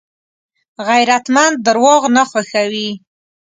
غیرتمند درواغ نه خوښوي